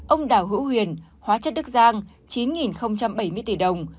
ông đào hữu huyền hóa chất đức giang chín bảy mươi tỷ đồng